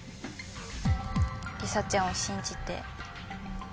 りさちゃんを信じて。